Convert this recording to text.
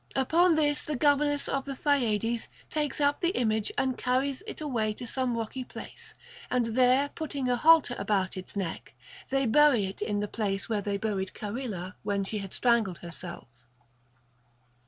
Upon this the governess of the Thyades takes up the image and carries it away to some rocky place, and there putting a halter about its neck, they bury it in the place where they buried Charila when she had strangled her self.